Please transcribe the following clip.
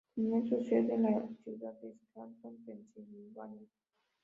Tenía su sede en la ciudad de Scranton, Pensilvania.